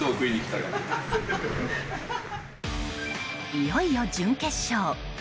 いよいよ準決勝。